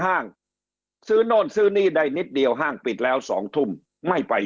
ห้างซื้อโน่นซื้อนี่ได้นิดเดียวห้างปิดแล้ว๒ทุ่มไม่ไป